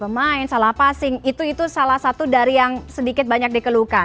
pemain salah passing itu salah satu dari yang sedikit banyak dikeluhkan